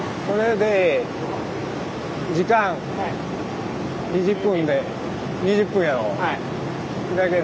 それで時間２０分で２０分やろ。